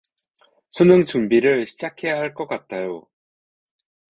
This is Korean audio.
수능 준비를 시작해야할 것 같아요.